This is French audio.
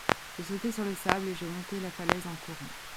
Je sautai sur le sable et je montai la falaise en courant.